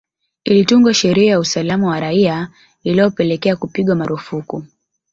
Ilitungwa sheria ya usalama wa raia ilyopelekea kupigwa marufuku